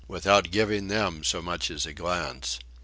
without giving them as much as a glance.